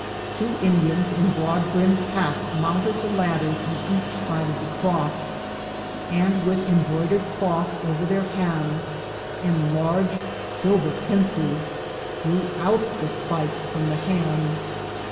Two Indians in broad brimmed hats mounted the ladders on each side of the cross, and with embroidered cloth over their hands, and large silver pincers, drew out the spikes from the hands.